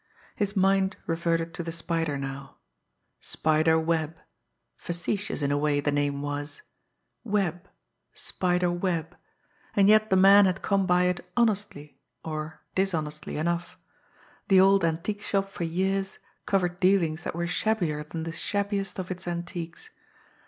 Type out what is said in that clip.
His mind reverted to the Spider now Spider Webb. Facetious, in a way, the name was! Webb Spider Webb! And yet the man had come by it honestly, or dishonestly, enough! The old antique shop for years covered dealings that were shabbier than the shabbiest of its antiques!